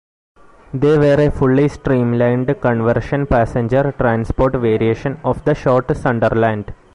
They were a fully streamlined conversion passenger transport variation of the Short Sunderland.